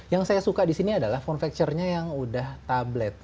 yang saya suka di sini adalah form factornya yang sudah tablet